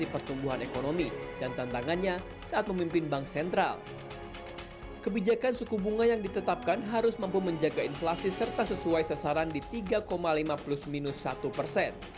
periwarjo menetapkan harus mampu menjaga inflasi serta sesuai sasaran di tiga lima plus minus satu persen